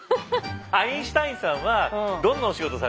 アインシュタインさんはどんなお仕事されてんですか？